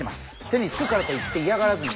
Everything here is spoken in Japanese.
手につくからといっていやがらずに。